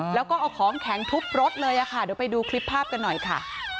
แล้วก็เอาของแข็งทุบรถเลยค่ะเดี๋ยวไปดูคลิปภาพกันหน่อยค่ะ